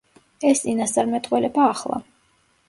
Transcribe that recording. ეს წინასწარმეტყველება ახლა.